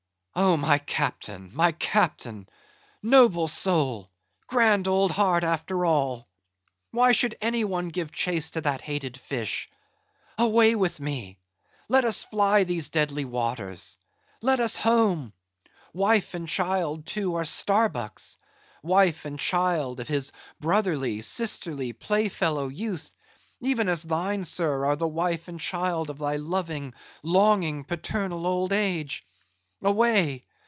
"Oh, my Captain! my Captain! noble soul! grand old heart, after all! why should any one give chase to that hated fish! Away with me! let us fly these deadly waters! let us home! Wife and child, too, are Starbuck's—wife and child of his brotherly, sisterly, play fellow youth; even as thine, sir, are the wife and child of thy loving, longing, paternal old age! Away!